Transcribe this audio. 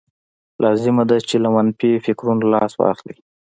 لازمه ده چې له منفي فکرونو لاس واخلئ.